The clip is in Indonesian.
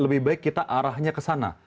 lebih baik kita arahnya ke sana